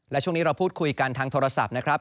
และช่วงนี้เราพูดคุยกันทางโทรศัพท์นะครับ